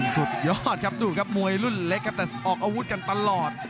สุดยอดครับดูครับมวยรุ่นเล็กครับแต่ออกอาวุธกันตลอด